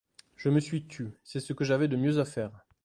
Je me suis tue ; c'est ce que j'avais de mieux à faire.